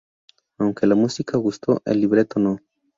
Aunque la música gustó, el libreto no.